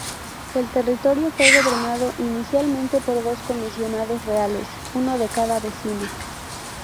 El territorio fue gobernado inicialmente por dos comisionados reales, uno de cada vecino.